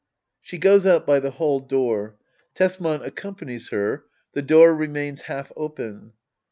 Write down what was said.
[She goes out by the hall door. Tbsman accompanies her. The door remains half open.